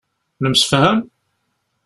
Nemsefham?